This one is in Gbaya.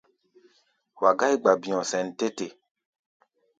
Wa gá̧í̧ gba-bi̧ɔ̧ sɛn tɛ́ te.